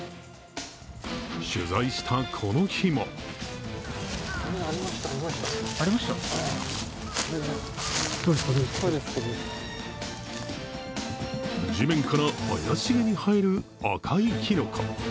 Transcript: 取材したこの日も地面から怪しげに生える赤いきのこ。